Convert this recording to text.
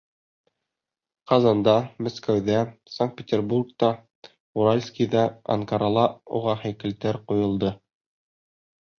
Ҡазанда, Мәскәүҙә, Санкт-Петербургта, Уральскийҙа, Анкарала уға һәйкәлдәр ҡуйылды.